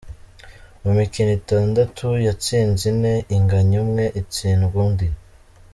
Mu mikino itandatu, yatsinze ine, inganya umwe itsindwa undi.